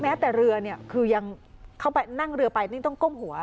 แต่เรือเนี่ยคือยังเข้าไปนั่งเรือไปนี่ต้องก้มหัว